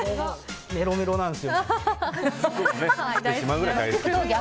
メロメロなんですよ。